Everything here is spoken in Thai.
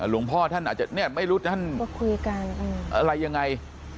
หลวงพ่อท่านอาจจะไม่รู้ท่านอะไรยังไง